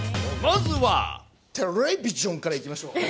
テレビジョンからいきましょう。